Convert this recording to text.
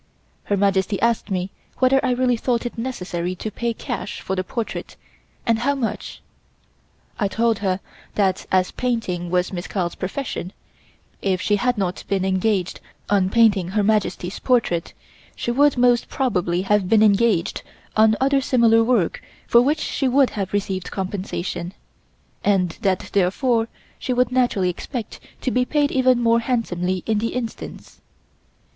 Her Majesty asked me whether I really thought it necessary to pay cash for the portrait and how much. I told her that as painting was Miss Carl's profession, if she had not been engaged on painting Her Majesty's portrait she would most probably have been engaged on other similar work for which she would have received compensation, and that therefore she would naturally expect to be paid even more handsomely in this instance.